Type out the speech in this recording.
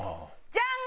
ジャン！